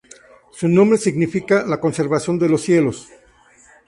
Su nombre significa "La Conservación de los Cielos".